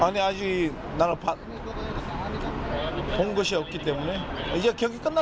tidak saya belum melihatnya